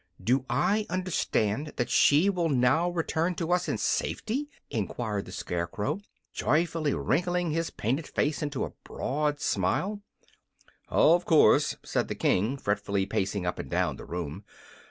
"Do I understand that she will now return to us in safety?" enquired the Scarecrow, joyfully wrinkling his painted face into a broad smile. "Of course," said the King, fretfully pacing up and down the room.